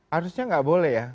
harusnya nggak boleh ya